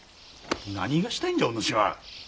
何がしたいんじゃお主は。